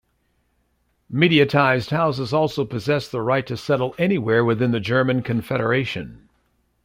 Mediatised Houses also possessed the right to settle anywhere within the German Confederation.